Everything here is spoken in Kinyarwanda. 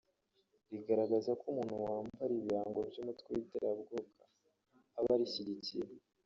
rigaragaza ko umuntu wambara ibirango by’umutwe w’iterabwoba aba arishyigikiye